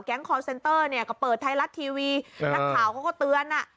แก๊งคอลเซนเตอร์ก็เปิดไทรัสทีวีนักข่าวเขาก็เตือน